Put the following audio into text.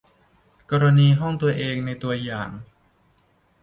กรณีห้องตัวเองในตัวอย่าง